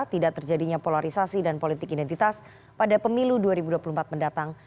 tidak terjadinya polarisasi dan politik identitas pada pemilu dua ribu dua puluh empat mendatang